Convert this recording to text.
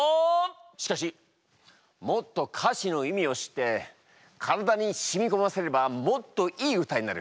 しかしもっと歌詞の意味を知って体にしみこませればもっといい歌になる。